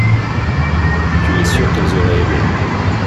tu es sûr qu'elles auraient aimé.